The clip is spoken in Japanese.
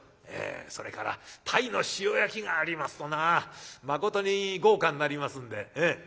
「えそれから鯛の塩焼きがありますとなまことに豪華になりますんで。